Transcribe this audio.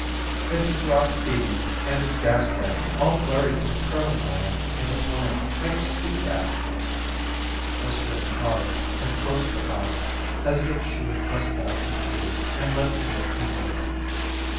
"It's the drops, Dee Dee, and this gaslight, all blurry from the curling iron in the flame, makes you see bad." Miss Worte nodded and closed her eyes as if she would press back the tears and let them drip inward.